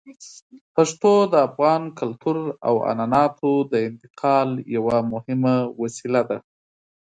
پښتو د افغان کلتور او عنعناتو د انتقال یوه مهمه وسیله ده.